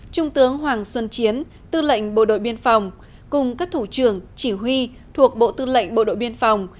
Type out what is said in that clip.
trung tướng hoàng xuân chiến tư lệnh bộ đội biên phòng cùng các thủ trưởng chỉ huy thuộc bộ tư lệnh bộ đội biên phòng